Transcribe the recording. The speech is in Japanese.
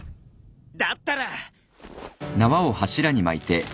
だったら。